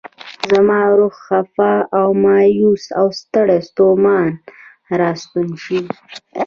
زما روح خفه، مایوس او ستړی ستومان راستون شي.